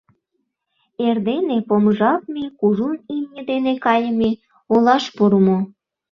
Эрдене помыжалтме, кужун имне дене кайыме, олаш пурымо...